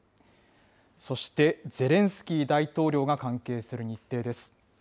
そしてゼレンスキー大統領が関係する日程です。